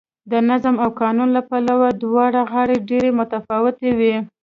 د نظم او قانون له پلوه دواړه غاړې ډېرې متفاوتې وې